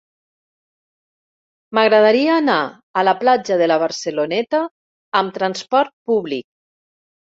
M'agradaria anar a la platja de la Barceloneta amb trasport públic.